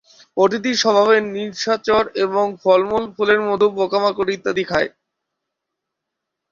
প্রাণীটি স্বভাবে নিশাচর এবং ফলমূল, ফুলের মধু, পোকামাকড় ইত্যাদি খায়।